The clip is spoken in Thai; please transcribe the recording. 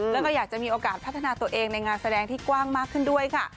แล้วก็อยากจะมีโอกาสพัฒนาตัวเองในงานแสดงที่กว้างมากขึ้นด้วยค่ะ